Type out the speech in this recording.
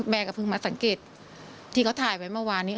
เพิ่งมาสังเกตที่เขาถ่ายไว้เมื่อวานนี้